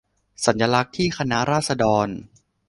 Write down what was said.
สัญลักษณ์ที่คณะราษฎร